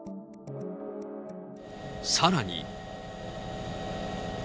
さらに。